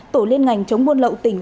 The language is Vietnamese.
tổ liên ngành chống buôn lậu tỉnh